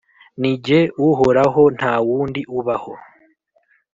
ni jye uhoraho nta wundi ubaho,